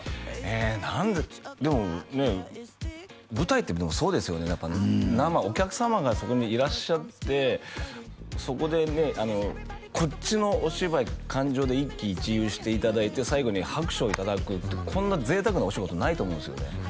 え何ででもね舞台ってでもそうですよね生お客様がそこにいらっしゃってそこでねこっちのお芝居感情で一喜一憂していただいて最後に拍手をいただくってこんな贅沢なお仕事ないと思うんですよね